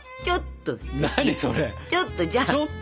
ちょっとじゃあ！